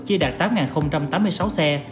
chia đạt tám tám mươi sáu xe